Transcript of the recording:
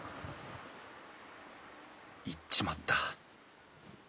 行っちまった。